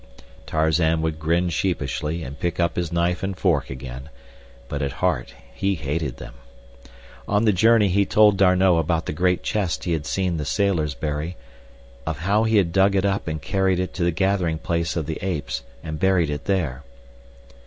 Tarzan would grin sheepishly and pick up his knife and fork again, but at heart he hated them. On the journey he told D'Arnot about the great chest he had seen the sailors bury; of how he had dug it up and carried it to the gathering place of the apes and buried it there.